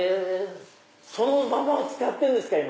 そのままを使ってるんですか？